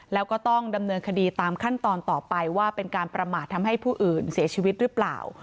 แล้วก็ต้องดำเนินคดีตามขั้นตอนต่อไปว่าเป็นการประมาททำให้ผู้อื่นเสียชีวิตหรือเปล่า